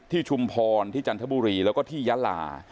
ชุมพรที่จันทบุรีแล้วก็ที่ยาลา